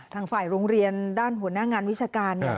ทางฝ่ายโรงเรียนด้านหัวหน้างานวิชาการ